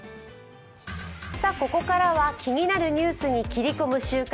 ここからは気になるニュースに切り込む「週刊！